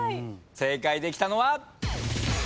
正解できたのは？